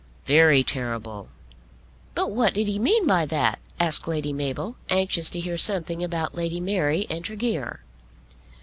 "Very terrible." "But what did he mean by that?" asked Lady Mabel, anxious to hear something about Lady Mary and Tregear.